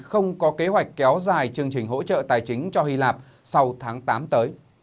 không có kế hoạch kéo dài chương trình hỗ trợ tài chính cho hy lạp sau tháng tám tới